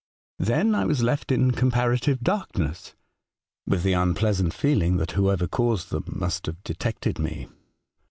Then I was left in comparative darkness, with the unpleasant feeling that whoever caused them must have detected me.